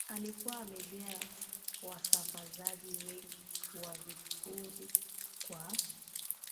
alikuwa amejaa wasambazaji wengi wa vipuri kwa